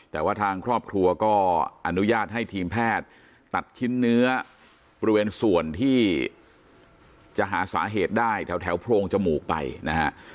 แต่ว่าทางครอบครัวก็อนุญาตให้ทีมแพทย์ตัดชิ้นเนื้อบริเวณส่วนที่จะหาสาเหตุได้แถวโพรงจมูกไปนะฮะ